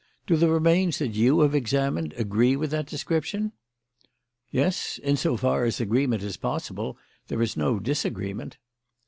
Do the remains that you have examined agree with that description?" "Yes, in so far as agreement is possible. There is no disagreement."